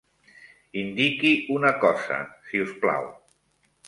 Indiqui una cosa, si us plau.